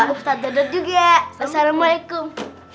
ustadz jadad juga assalamualaikum